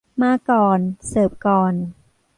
มาก่อน เสิร์ฟก่อน